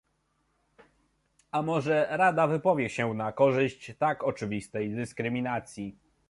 A może Rada wypowie się na korzyść tak oczywistej dyskryminacji?